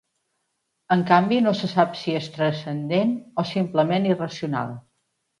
En canvi no se sap si e és transcendent o simplement irracional.